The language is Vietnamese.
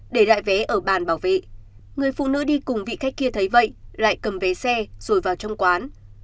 để lại vé ở bàn bảo vệ người phụ nữ đi cùng vị khách kia thấy vậy lại cầm vé xe rồi vào trong quán